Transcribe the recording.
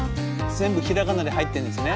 全部ひらがなで入ってんですね